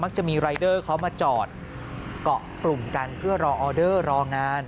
จะมีรายเดอร์เขามาจอดเกาะกลุ่มกันเพื่อรอออเดอร์รองาน